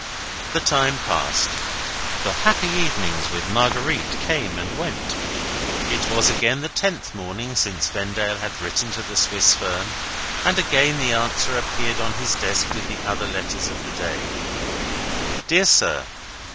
The time passed the happy evenings with Marguerite came and went. It was again the tenth morning since Vendale had written to the Swiss firm; and again the answer appeared on his desk with the other letters of the day: "Dear Sir.